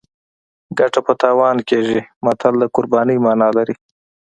ګټه په تاوان کیږي متل د قربانۍ مانا لري